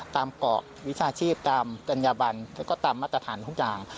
ตามเกาะวิชาชีพตามจัญญาบันแล้วก็ตามมาตรฐานทุกอย่าง